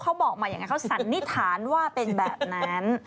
เขาบอกมาอย่างนั้นเขาสันนิษฐานว่าเป็นแบบนั้น